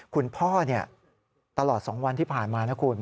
คุณพ่อเนี่ยตลอดสองวันที่ผ่านมานะคุณ